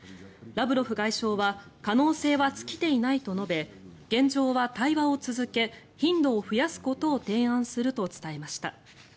ラブロフ外相は可能性は尽きていないと述べ現状は対話を続け頻度を増やすことを提案すると伝えました。